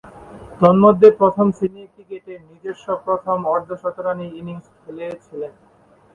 তন্মধ্যে, প্রথম-শ্রেণীর ক্রিকেটে নিজস্ব প্রথম অর্ধ-শতরানের ইনিংস খেলেছিলেন।